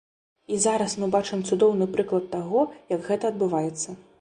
І зараз мы бачым цудоўны прыклад таго, як гэта адбываецца.